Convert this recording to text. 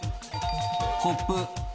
コップ。